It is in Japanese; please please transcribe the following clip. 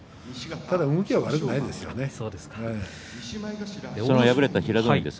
ただ、動きは悪くないです。